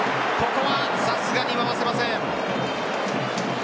ここはさすがに回せません。